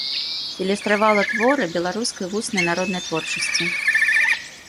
Ілюстравала творы беларускай вуснай народнай творчасці.